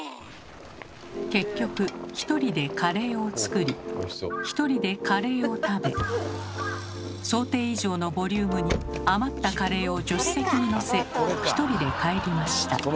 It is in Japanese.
結局１人でカレーを作り１人でカレーを食べ想定以上のボリュームに余ったカレーを助手席にのせ１人で帰りました。